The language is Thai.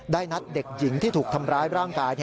นัดเด็กหญิงที่ถูกทำร้ายร่างกาย